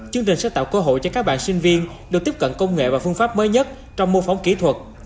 chương trình sẽ tạo cơ hội cho các bạn sinh viên được tiếp cận công nghệ và phương pháp mới nhất trong mô phỏng kỹ thuật